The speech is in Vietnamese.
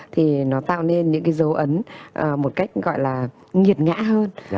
thì nó tạo nên những cái dấu ấn một cách gọi là nghiệt ngã hơn